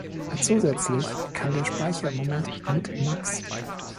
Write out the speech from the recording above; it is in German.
Zusätzlich kann der Speicher im Moment mit max.